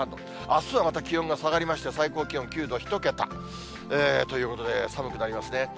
あすはまた気温が下がりまして、最高気温９度、１桁ということで、寒くなりますね。